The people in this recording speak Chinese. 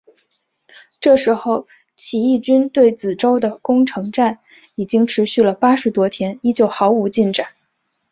这时候起义军对梓州的攻城战已经持续了八十多天仍旧毫无进展。